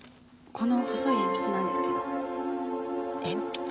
この細い鉛筆なんですけど。